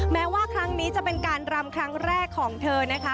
แม้ว่าครั้งนี้จะเป็นการรำครั้งแรกของเธอนะคะ